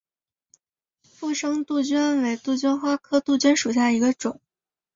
附生杜鹃为杜鹃花科杜鹃属下的一个种。